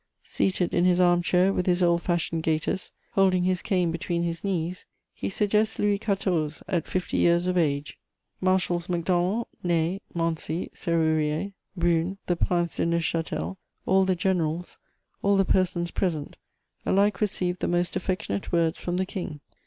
Seated in his arm chair, with his old fashioned gaiters, holding his cane between his knees, he suggests Louis XIV. at fifty years of age.... Marshals Macdonald, Ney, Moncey, Sérurier, Brune, the Prince de Neuchâtel, all the generals, all the persons present alike received the most affectionate words from the King.